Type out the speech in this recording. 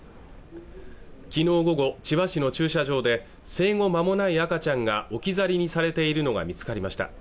昨日午後千葉市の駐車場で生後まもない赤ちゃんが置き去りにされているのが見つかりました